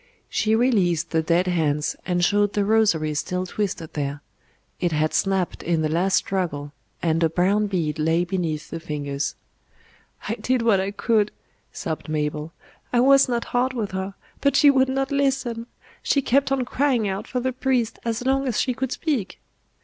She released the dead hands and showed the rosary still twisted there; it had snapped in the last struggle, and a brown bead lay beneath the fingers. "I did what I could," sobbed Mabel. "I was not hard with her. But she would not listen. She kept on crying out for the priest as long as she could speak."